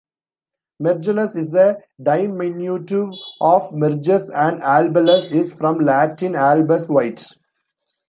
"Mergellus" is a diminutive of "Mergus" and "albellus" is from Latin "albus" "white".